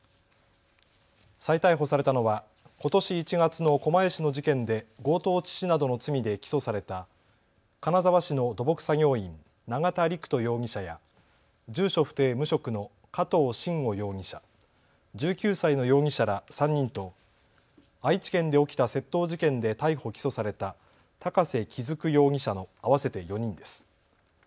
再逮捕されたのは、ことし１月の狛江市の事件で強盗致死などの罪で起訴された金沢市の土木作業員、永田陸人容疑者や住所不定・無職の加藤臣吾容疑者、１９歳の容疑者ら３人と愛知県で起きた窃盗事件で逮捕・起訴された高瀬基嗣容疑者の合わせて４人です。